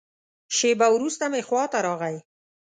شېبه وروسته مې خوا ته راغی.